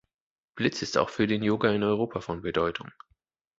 Blitz ist auch für den Yoga in Europa von Bedeutung.